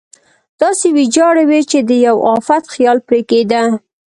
داسې ویجاړې وې چې د یوه افت خیال پرې کېده.